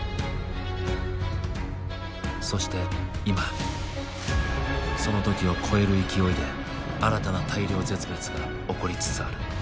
そして今その時を超える勢いで新たな大量絶滅が起こりつつある。